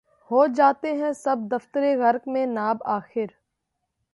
ہو جاتے ہیں سب دفتر غرق مے ناب آخر